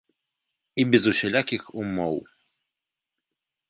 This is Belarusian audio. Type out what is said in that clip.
І без усялякіх умоў.